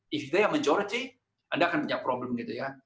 jika mereka adalah kebanyakan anda akan punya masalah